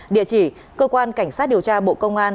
địa chỉ cơ quan cảnh sát điều tra bộ công an